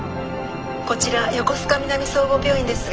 ☎こちら横須賀南総合病院ですが。